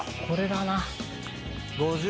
これだな。